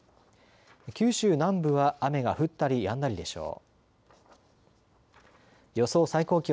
九州南部は雨が降ったりやんだりでしょう。